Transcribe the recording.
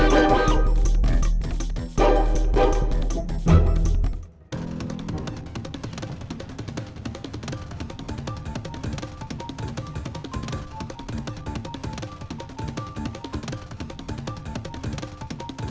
tidak ada yang bisa dipercaya